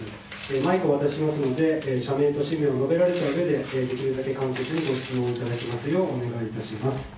マイクをお渡ししますので、社名と氏名を述べたうえで、できるだけ簡潔にご質問をいただきますようお願いいたします。